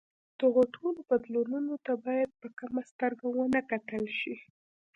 دغو ټولو بدلونونو ته باید په کمه سترګه ونه کتل شي.